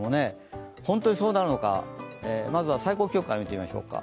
本当にそうなのか、まずは最高気温から見てみましょうか。